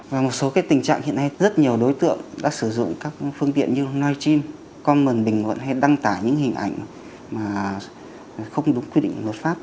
và một số tình trạng hiện nay rất nhiều đối tượng đã sử dụng các phương tiện như live stream commond bình luận hay đăng tải những hình ảnh mà không đúng quy định luật pháp